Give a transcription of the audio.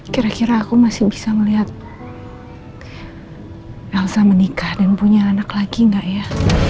kira kira aku masih bisa melihat elsa menikah dan punya anak lagi nggak ya